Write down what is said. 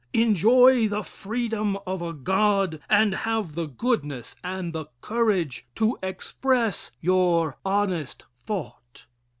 Enjoy the freedom of a god, and have the goodness and the courage to express your honest thought."